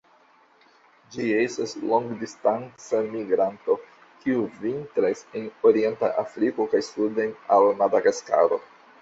Ĝi estas longdistanca migranto, kiu vintras en orienta Afriko kaj suden al Madagaskaro.